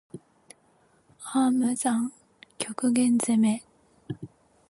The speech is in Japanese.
ああ無惨～極限責め～